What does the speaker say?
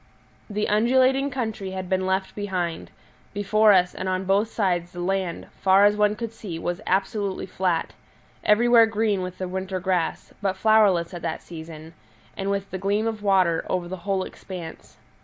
The undulating country had been left behind; before us and on both sides the land, far as one could see, was absolutely flat, everywhere green with the winter grass, but flowerless at that season, and with the gleam of water, over the whole expanse.